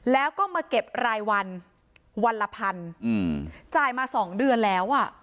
แล้วก็มาเก็บรายวันวันละพันอืมจ่ายมาสองเดือนแล้วอ่ะ